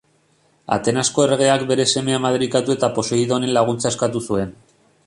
Atenasko erregeak bere semea madarikatu eta Poseidonen laguntza eskatu zuen.